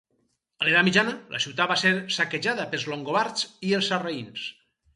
A l'edat mitjana la ciutat va ser saquejada pels longobards i els sarraïns.